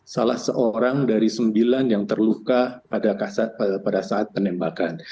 salah seorang dari sembilan yang terluka pada saat penembakan